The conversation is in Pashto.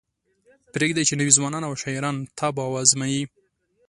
پریږدئ چې نوي ځوانان او شاعران طبع وازمایي.